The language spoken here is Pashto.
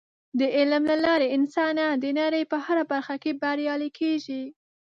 د علم له لارې انسانان د نړۍ په هره برخه کې بریالي کیږي.